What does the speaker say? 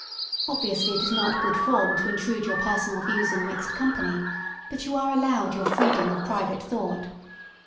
(Obviously it is not good form to intrude your personal views in mixed company, but you are allo%ved your freedom of private thought.)